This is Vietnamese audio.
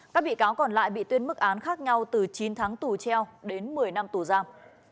các bị cáo còn lại bị tuyên mức án khác nhau từ chín tháng tù treo đến một mươi năm tù giam